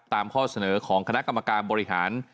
ข้อเสนอของคณะกรรมการบริหาร